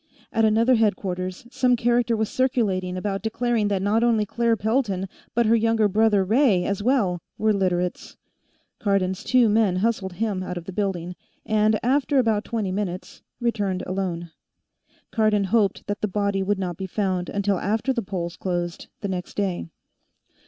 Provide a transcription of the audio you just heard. At another headquarters, some character was circulating about declaring that not only Claire Pelton but her younger brother, Ray, as well, were Literates. Cardon's two men hustled him out of the building, and, after about twenty minutes, returned alone. Cardon hoped that the body would not be found until after the polls closed, the next day.